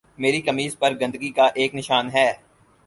میری قمیض پر گندگی کا ایک نشان ہے